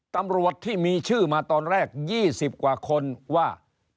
ตำรวจที่มีชื่อมาตอนแรก๒๐กว่าคนว่า